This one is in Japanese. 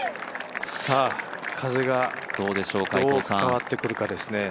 さあ、風がどう変わってくるかですね。